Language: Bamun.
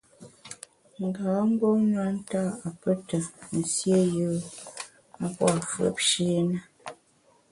Nga mgbom na nta’ a pe te nsié yùe a pua’ fùepshi na.